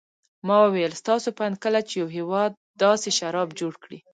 ما وویل: ستاسې په اند کله چې یو هېواد داسې شراب جوړ کړي.